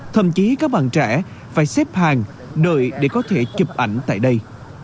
thậm chí các bạn trẻ phải xếp hàng đợi để có thể chụp ảnh tại đây